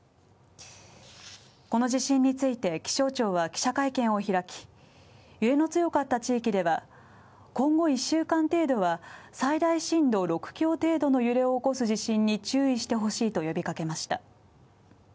この地震について、気象庁は記者会見を開き、揺れの強かった地域では、今後１週間程度は最大震度６強程度の揺れを起こす地震に注意してほしいと呼びかけました。